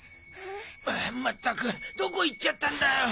まったくどこ行っちゃったんだよ。